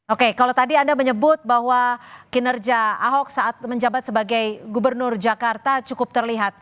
oke kalau tadi anda menyebut bahwa kinerja ahok saat menjabat sebagai gubernur jakarta cukup terlihat